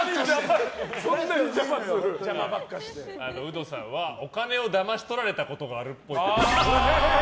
ウドさんはお金をだまし取られたことがあるっぽい。